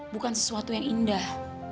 bukan sesuatu yang indah